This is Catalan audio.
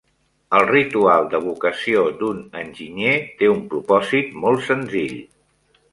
El Ritual de Vocació d'un Enginyer té un propòsit molt senzill.